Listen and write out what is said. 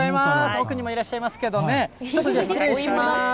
奥にもいらっしゃいますけどね、ちょっと失礼します。